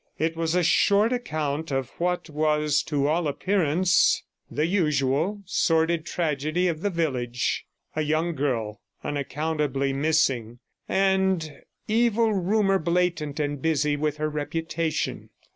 It was a short account of what was to all appearance the usual sordid tragedy of the village — a young girl unaccountably missing, and evil rumour blatant and busy with her reputation.